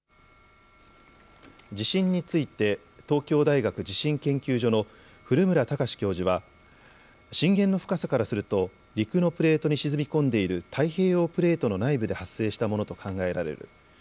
地震について東京大学地震研究所の古村孝志教授は震源の深さからすると陸のプレートに沈み込んでいる太平洋プレートの内部で発生したものと考えられる。